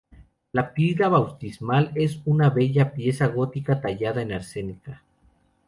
La pila bautismal es una bella pieza gótica tallada en arenisca.